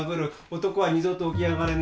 男は二度と起き上がれない。